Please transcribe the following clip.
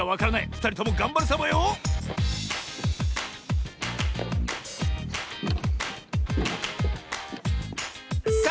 ふたりともがんばるサボよさ